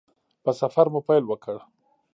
په سفر مو پیل وکړ.